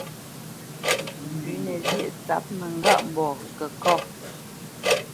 Pʉ̌nǝ zyéʼ tsǎp mǝŋgâʼmbɔɔ kǝ kâ.